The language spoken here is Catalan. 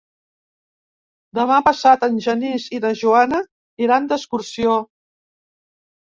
Demà passat en Genís i na Joana iran d'excursió.